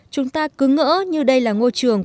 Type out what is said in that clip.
chúng ta cứ ngỡ như đây là ngôi trường